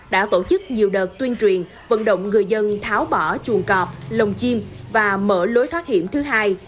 đã tổ chức nhiều đợt tuyên truyền vận động người dân tháo bỏ chuồng cọp lồng chim và mở lối thoát hiểm thứ hai